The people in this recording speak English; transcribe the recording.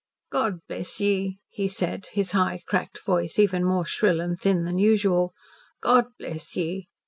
"God bless ye!" he said, his high, cracked voice even more shrill and thin than usual. "God bless ye!"